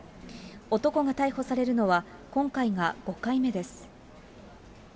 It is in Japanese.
男が逮捕されるのは今回が５回目です。